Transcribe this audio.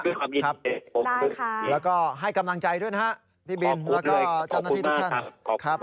ได้ค่ะแล้วก็ให้กำลังใจด้วยนะฮะพี่บินแล้วก็เจ้าหน้าที่ทุกท่านขอบคุณด้วยขอบคุณมากค่ะ